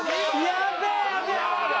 やべえ。